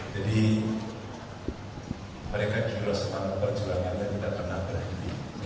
jadi mereka juga sangat berjuang yang tidak pernah berhenti